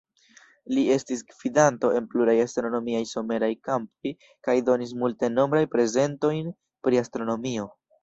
Li estis gvidanto en pluraj astronomiaj someraj kampoj kaj donis multenombraj prezentojn pri astronomio.